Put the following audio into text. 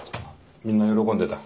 みんな喜んでた。